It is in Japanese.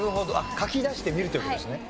書き出してみるという事ですね。